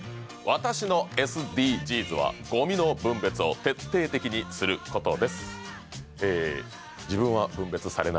私の場合はごみの分別を徹底的にすることです